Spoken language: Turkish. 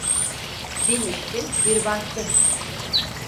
Bin işçi, bir başçı.